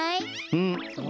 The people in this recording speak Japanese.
うん？